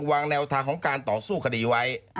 วางแนวทางของการต่อสู้คดีไว้